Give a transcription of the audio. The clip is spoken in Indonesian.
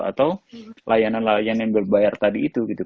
atau layanan layanan yang berbayar tadi itu gitu